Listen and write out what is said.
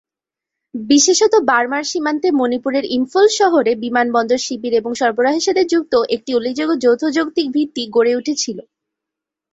বিশেষত, বার্মার সীমান্তে মণিপুরের ইম্ফল শহরে বিমানবন্দর, শিবির এবং সরবরাহের সাথে যুক্ত একটি উল্লেখযোগ্য যৌথ যৌক্তিক ভিত্তি গড়ে উঠেছিল।